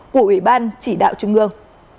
của ủy ban chỉ đạo trung ương